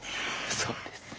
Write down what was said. そうですね。